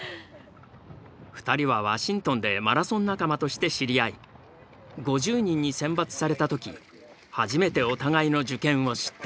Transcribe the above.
２人はワシントンでマラソン仲間として知り合い５０人に選抜された時初めてお互いの受験を知った。